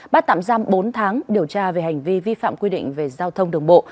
bắt tạm giam bốn tháng điều tra về hành vi vi phạm quy định về giao thông đường bộ